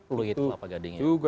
pluit pak pak gading